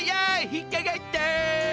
引っかかった！